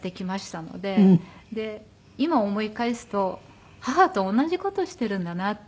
で今思い返すと母と同じ事しているんだなって。